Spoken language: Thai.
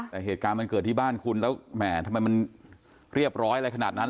แต่เหตุการณ์มันเกิดที่บ้านคุณแล้วแหมทำไมมันเรียบร้อยอะไรขนาดนั้น